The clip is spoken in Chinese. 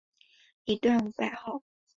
一段五百号